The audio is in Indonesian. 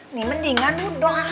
ini mendingan udah